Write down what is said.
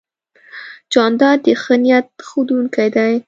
جانداد د ښه نیت بښونکی دی.